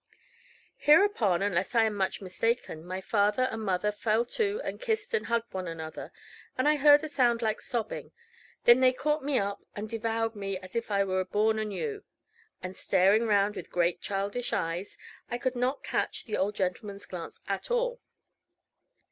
Hereupon, unless I am much mistaken, my father and mother fell to and kissed and hugged one another, and I heard a sound like sobbing; then they caught me up, and devoured me, as if I were born anew; and staring round with great childish eyes, I could not catch the old gentleman's glance at all.